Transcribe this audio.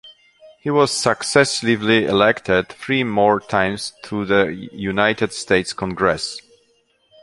He was successively elected three more times to the United States Congress.